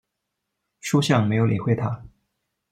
叔向没有理会他。